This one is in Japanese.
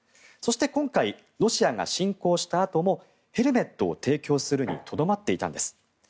そして今回ロシアが侵攻したあともヘルメットを提供するにとどまっていたんです。